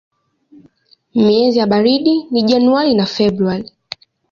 Miezi ya baridi ni Januari na Februari.